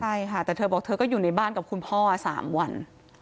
ใช่ค่ะแต่เธอบอกเธอก็อยู่ในบ้านกับคุณพ่อ๓วัน